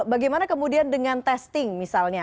bagaimana kemudian dengan testing misalnya